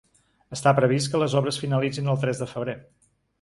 Està previst que les obres finalitzin el tres de febrer.